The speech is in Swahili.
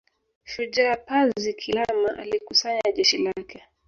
Shujaa Pazi Kilama alikusanya jeshi lake